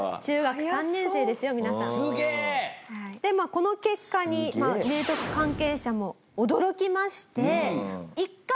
この結果に明徳関係者も驚きまして。